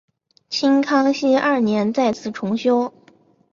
清康熙二年再次重修。